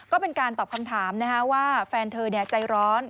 ก็เป็นการตอบคำถามว่าแฟนเธอใจร้อน